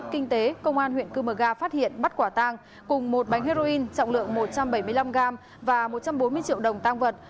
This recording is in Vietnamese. kinh tế công an huyện cư mờ ga phát hiện bắt quả tang cùng một bánh heroin trọng lượng một trăm bảy mươi năm gram và một trăm bốn mươi triệu đồng tăng vật